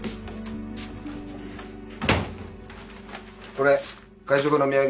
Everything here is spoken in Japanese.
これ会食のお土産。